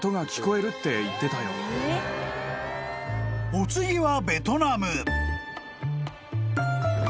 ［お次は］